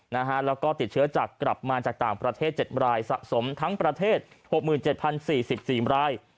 แล้วก็ติดเชื้อจากกลับมาจากต่างประเทศ๗รายสะสมทั้งประเทศ๖๗๐๔๔ราย